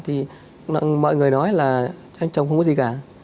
thì mọi người nói là anh chồng không có gì cả